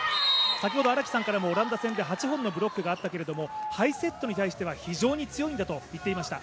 先ほど荒木さんからもオランダ戦で８本のブロックがあったとありましたが、ハイセットに対しては非常に強いんだと言っていました。